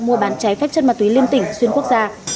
mua bán trái phép chất ma túy liên tỉnh xuyên quốc gia